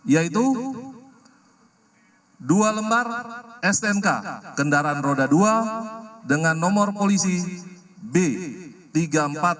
yaitu dua lembar snk kendaraan roda dua dengan nomor polisi b tiga ribu empat ratus delapan tfv dan b enam ribu dua ratus empat puluh tujuh pik